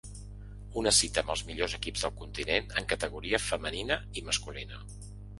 Una cita amb els millors equips del continent en categoria femenina i masculina.